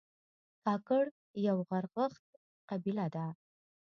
کاکړ یو غرغښت قبیله ده